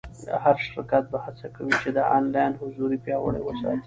هر شرکت به هڅه کوي چې آنلاین حضور پیاوړی وساتي.